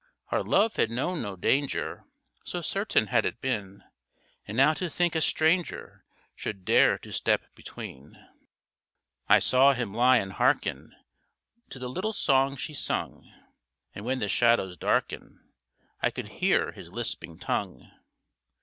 Our love had known no danger, So certain had it been! And now to think a stranger Should dare to step between. I saw him lie and harken To the little songs she sung, And when the shadows darken I could hear his lisping tongue.